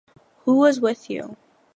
Who was with you?